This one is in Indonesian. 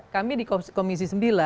kami di komisi sembilan